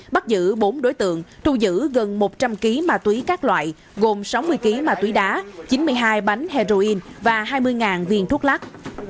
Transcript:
bắt giữ bốn đối tượng thu giữ gần một trăm linh kg ma túy các loại gồm sáu mươi kg ma túy đá chín mươi hai bánh heroin và hai mươi viên thuốc lắc